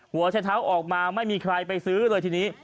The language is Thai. หัวใช้เท้าออกมาไม่มีใครไปซื้อเลยทีนี้